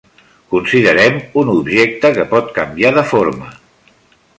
Considerem un objecte que pot canviar de forma.